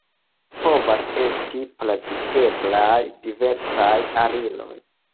Povas esti pravigeblaj diversaj aliroj.